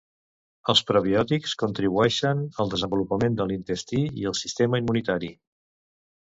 Els probiòtics contribueixen al desenvolupament de l'intestí i el sistema immunitari.